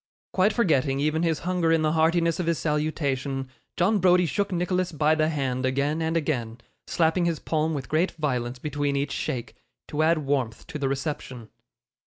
Quite forgetting even his hunger in the heartiness of his salutation, John Browdie shook Nicholas by the hand again and again, slapping his palm with great violence between each shake, to add warmth to the reception.